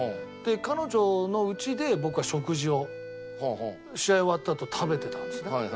彼女の家で僕は食事を試合終わったあと食べてたんですね。